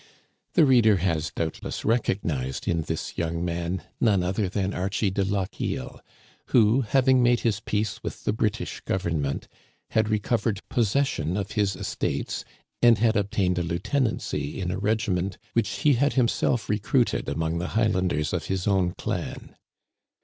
The reader has, doubtless, recognized in this young man none other than Archie de Lochiel, who, having made his peace with the British Digitized by VjOOQIC I/o THE CANADIANS OF OLD. Government, had recovered possession of his estates and had obtained a lieutenancy in a regiment which he had himself recruited among the Highlanders of his own clan.